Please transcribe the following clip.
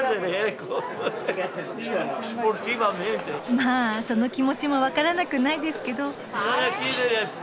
まあその気持ちも分からなくないですけど。